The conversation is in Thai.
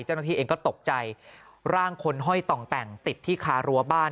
เจ้าหน้าที่เองก็ตกใจร่างคนห้อยต่องแต่งติดที่คารั้วบ้าน